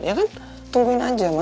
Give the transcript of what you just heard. ya kan tungguin aja ma